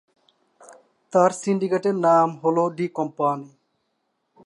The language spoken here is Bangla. তার সিন্ডিকেটের নাম হলো ডি কম্পানি।